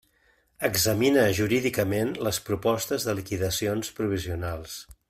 Examina jurídicament les propostes de liquidacions provisionals.